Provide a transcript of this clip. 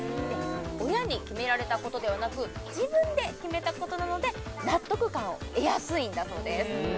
親に決められたことではなく自分で決めたことなので納得感を得やすいんだそうです